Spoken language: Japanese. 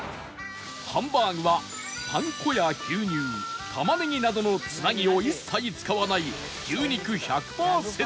ハンバーグはパン粉や牛乳玉ねぎなどのつなぎを一切使わない牛肉１００パーセント